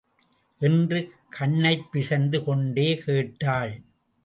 என்று கண்ணைப் பிசைந்து கொண்டே கேட்டாள்.